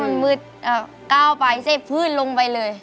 มันมืดเก้าไปเสพพื้นลงไปเลย